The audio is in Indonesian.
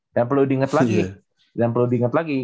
dan perlu diinget lagi